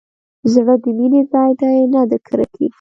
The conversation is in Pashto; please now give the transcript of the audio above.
زړه د مينې ځاى دى نه د کرکې.